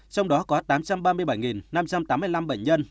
trong đó có tám trăm ba mươi bảy năm trăm tám mươi năm bệnh nhân